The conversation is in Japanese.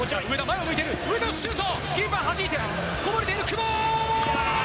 こぼれている、久保！